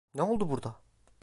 Ne oldu burada?